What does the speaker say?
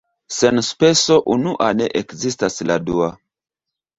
Sen speso unua ne ekzistas la dua.